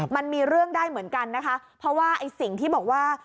มันมีเรื่องได้เหมือนกันนะคะเพราะว่าไอ้สิ่งที่บอกว่า